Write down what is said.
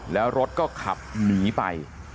แล้วรถก็ขับหนีไป